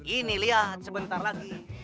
ini lihat sebentar lagi